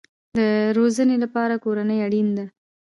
د روزنې لپاره کورنۍ اړین ده